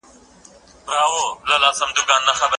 د پرېکړو پلي کول ولې قدرت ته اړتیا لري؟